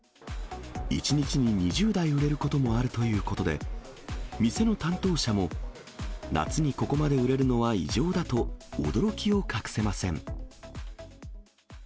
１日に２０台売れることもあるということで、店の担当者も、夏にここまで売れるのは異常だと、驚きを隠せません。